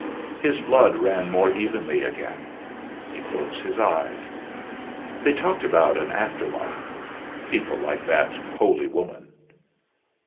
His blood ran more evenly again. He closed his eyes. They talked about an after life people like that holy woman.